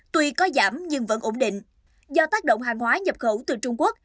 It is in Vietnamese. tuy có giảm nhưng vẫn ổn định do tác động hàng hóa nhập khẩu từ trung quốc